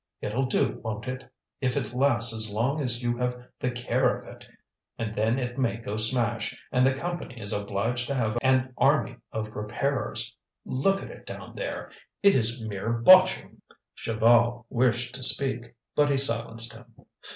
It'll do, won't it? if it lasts as long as you have the care of it; and then it may go smash, and the Company is obliged to have an army of repairers. Look at it down there; it is mere botching!" Chaval wished to speak, but he silenced him.